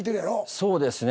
そうですね